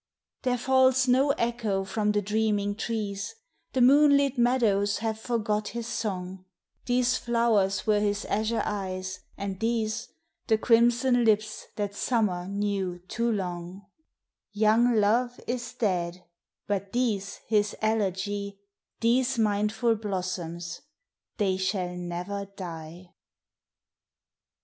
There falls no echo from the dreaming trees, The moonlit meadows have forgot his song, These flowers were his azure eyes, and these The crimson lips that summer knew too long ; Young Love is dead, but these his elegy, These mindful blossoms, they shall never die